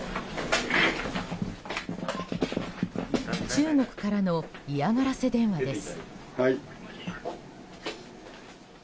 中国からの嫌がらせ電話です。